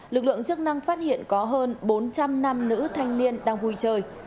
lực lượng chức năng phát hiện có hơn bốn trăm linh nam nữ thanh niên đang vui chơi